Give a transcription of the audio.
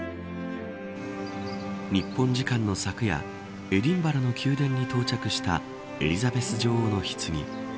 日本時間の昨夜エディンバラの宮殿に到着したエリザベス女王のひつぎ。